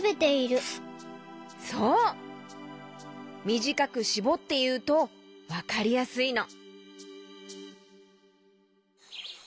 みじかくしぼっていうとわかりやすいの。